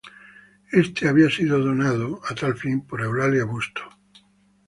Éste había sido donado, a tal fin, por Eulalia Busto.